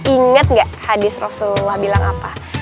ingat gak hadis rasulullah bilang apa